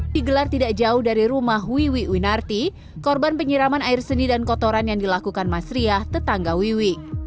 digelar tidak jauh dari rumah wiwi winarti korban penyiraman air seni dan kotoran yang dilakukan mas riah tetangga wiwi